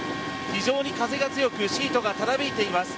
非常に風が強くシートがたなびいています。